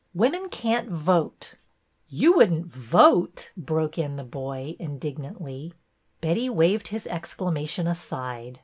Women can't vote —" ''You wouldn't vote!" broke in the boy, indignantly. Betty waved his exclamation aside.